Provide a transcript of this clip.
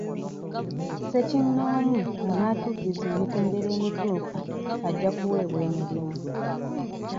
Ssekinnoomu anaatuukiriza emitendera emituufu ajja kuweebwa emirimu.